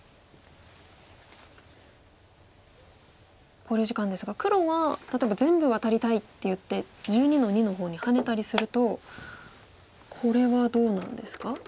考慮時間ですが黒は例えば全部ワタりたいって言って１２の二の方にハネたりするとこれはどうなんですか？